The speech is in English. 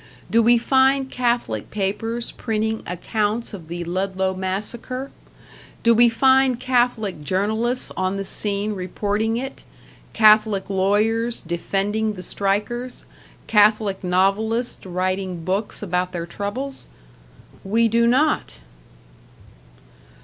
Do we find Catholic papers printing accounts of the Ludlow massacre? Do we find Catholic journalists on the scene reporting it, Catholic lawyers defending the strikers, Catholic novelists writing books about their troubles? We do not!